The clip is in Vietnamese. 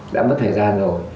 đã mất thời gian rồi